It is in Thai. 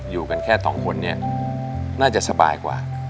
อยู่กันแค่สองคนเนี่ยน่าจะสบายกว่า